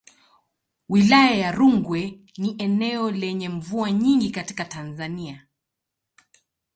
Wilaya ya Rungwe ni eneo lenye mvua nyingi katika Tanzania.